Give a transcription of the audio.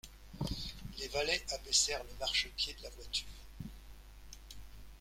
Les valets abaissèrent le marchepied de la voiture.